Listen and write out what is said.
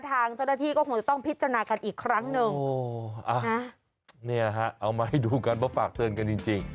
ทางเจ้าหน้าที่ก็คงจะต้องพิจารณากันอีกครั้งหนึ่งเนี่ยฮะเอามาให้ดูกันมาฝากเตือนกันจริงจริง